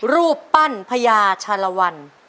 รูปปั้นพญาชารวรรค์